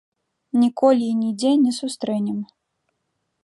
Ніколі і нідзе не сустрэнем.